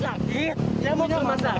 kamu sendiri ibunya gak ada